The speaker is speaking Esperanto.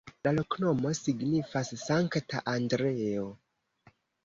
La loknomo signifas: Sankta Andreo.